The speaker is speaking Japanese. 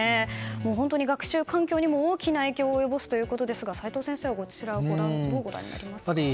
本当に学習環境にも大きな影響を及ぼすということですが齋藤先生はこちらをどうご覧になりますか？